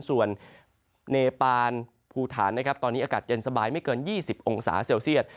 ส่วนเนปานภูฐานนะครับตอนนี้อากาศเย็นสบายไม่เกิน๒๐องศาเซลเซียต